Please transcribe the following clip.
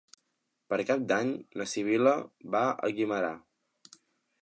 Per Cap d'Any na Sibil·la va a Guimerà.